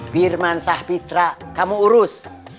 firman sahpitra kamu urus